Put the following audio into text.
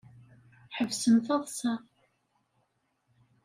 Ḥebsem taḍsa.